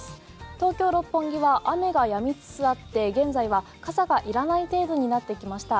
東京・六本木は雨がやみつつあって現在は傘がいらない程度になってきました。